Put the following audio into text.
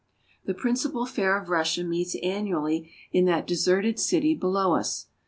The principal fair of Russia meets annually in that de serted city below us.